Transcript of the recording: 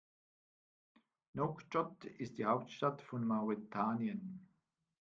Nouakchott ist die Hauptstadt von Mauretanien.